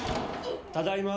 ただいま。